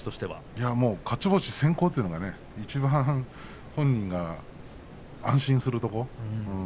いやもう勝ち星先行というのがいちばん本人が安心するところ。